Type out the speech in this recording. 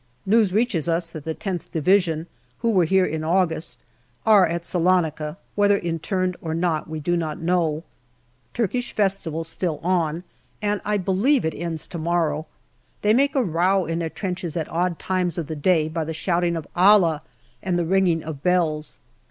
News reaches us that the loth Division, who were here in August, are at Salonika, whether interned or not we do not know. Turkish festival still on, and I believe it ends to morrow. They make a row in their trenches at odd times of the day by the shouting of " Allah " and the ringing of bells.